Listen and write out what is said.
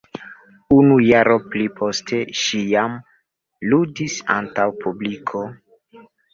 Unu jaro pliposte ŝi jam ludis antaŭ publiko.